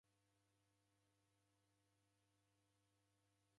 Sindano radatupwa